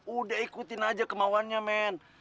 udah ikutin aja kemauannya men